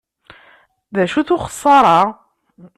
D acu-t uxeṣṣaṛ-a?